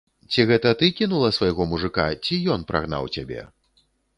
Ці гэта ты кінула свайго мужыка, ці ён прагнаў цябе?